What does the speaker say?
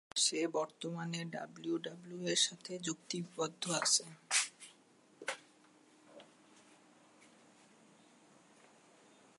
সে বর্তমানে ডাব্লিউডাব্লিউই এর সাথে চুক্তিবদ্ধ আছে।